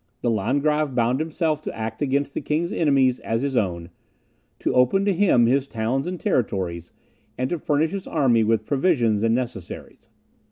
The Landgrave bound himself to act against the king's enemies as his own, to open to him his towns and territory, and to furnish his army with provisions and necessaries.